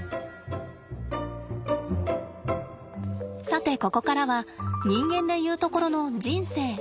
さてここからは人間で言うところの人生。